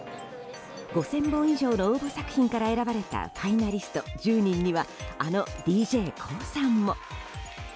５０００本以上の応募作品から選ばれたファイナリスト１０人にはあのＤＪＫＯＯさんも。